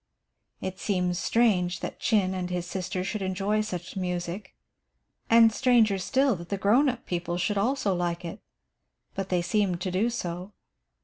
It seems strange that Chin and his sister should enjoy such "music," and stranger still that the grown up people should also like it; but they seemed to do so.